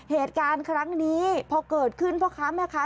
เหตุการณ์ครั้งนี้พอเกิดขึ้นพ่อค้าแม่ค้า